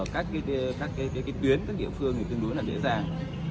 các tuyến các địa phương thì tương đối là dễ dàng